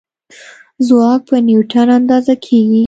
ځواک په نیوټن اندازه کېږي.